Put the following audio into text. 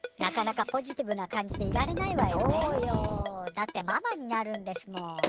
だってママになるんですもん。